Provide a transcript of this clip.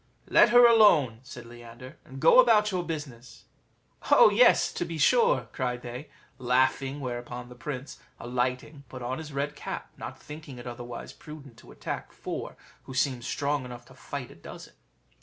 "Let her alone," said Leander, "and go about your business." "Oh yes, to be sure," cried they, laughing; whereupon the prince alighting, put on his red cap, not thinking it otherwise prudent to attack four who seemed strong enough to fight a dozen.